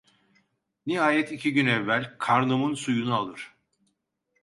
Nihayet iki gün evvel: "Karnımın suyunu alır!"